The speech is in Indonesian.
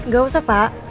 gak usah pak